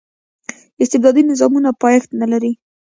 استبدادي نظامونه پایښت نه لري.